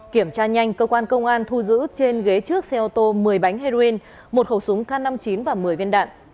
kiểm tra nhanh cơ quan công an thu giữ trên ghế trước xe ô tô một mươi bánh heroin một khẩu súng k năm mươi chín và một mươi viên đạn